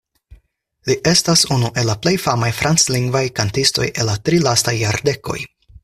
Li estas unu el la plej famaj franclingvaj kantistoj el la tri lastaj jardekoj.